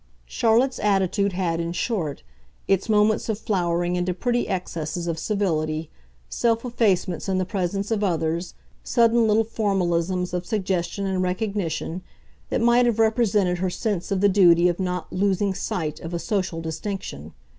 Charlotte's attitude had, in short, its moments of flowering into pretty excesses of civility, self effacements in the presence of others, sudden little formalisms of suggestion and recognition, that might have represented her sense of the duty of not "losing sight" of a social distinction.